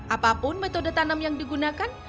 apapun metode tanam yang digunakan